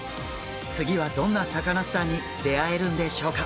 次はどんなサカナスターに出会えるんでしょうか。